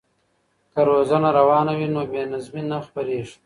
که روزنه روانه وي نو بې نظمي نه خپریږي.